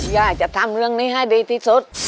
ย่าจะทำเรื่องนี้ให้ดีที่สุด